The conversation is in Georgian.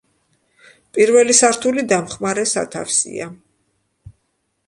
პირველი სართული დამხმარე სათავსია.